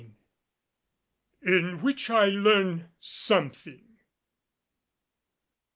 IN WHICH I LEARN SOMETHING.